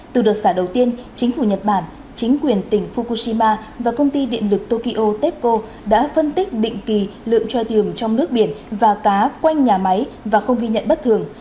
từ đợt xả đầu tiên chính phủ nhật bản chính quyền tỉnh fukushima và công ty điện lực tokyo tepco đã phân tích định kỳ lượng tròiềm trong nước biển và cá quanh nhà máy và không ghi nhận bất thường